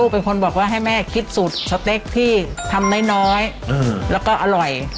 เป็นคนบอกว่าให้แม่คิดสูตรสเต็กที่ทำน้อยแล้วก็อร่อย